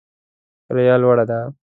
کرایه لوړه ده